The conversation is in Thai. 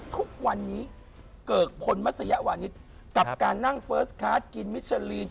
ทุกวันนี้เกิดคนมัศยวานิสกับการนั่งเฟิร์สคาร์ดกินมิชเชอรีน